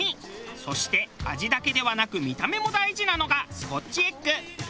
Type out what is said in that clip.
そして味だけではなく見た目も大事なのがスコッチエッグ。